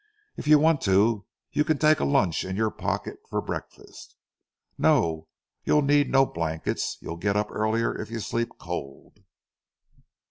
If you want to, you can take a lunch in your pocket for breakfast. No; you need no blankets—you'll get up earlier if you sleep cold."